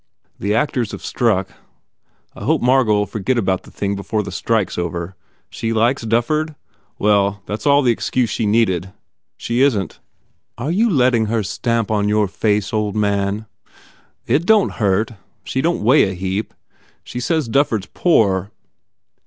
"The actors have struck. I hope Margot ll forget about the thing before the strike s over. She likes Dufford? Well, that s all the excuse she needed. She isn t " "Are you letting her stamp on your face, old man?" 173 THE FAIR REWARDS "It don t hurt. She don t weigh a heap. She says Dufford s poor."